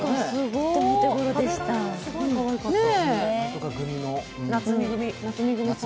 壁紙もすごいかわいかった。